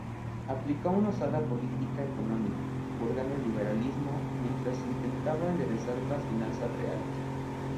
Aplicó una osada política económica, bordeando el liberalismo, mientras intentaba enderezar las finanzas reales.